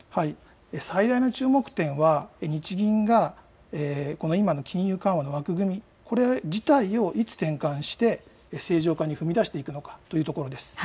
最大の注目点は日銀が今の金融緩和の枠組み、これ自体を唯一、展開して正常化に踏み出していくのかというところです。